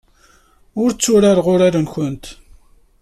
Ur tturareɣ urar-nwent.